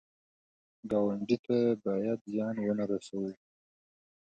ګاونډي ته باید زیان ونه رسوو